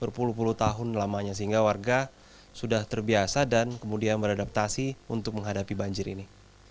berpuluh puluh tahun lamanya sehingga warga sudah terbiasa dan kemudian beradaptasi untuk menghadapi banjir ini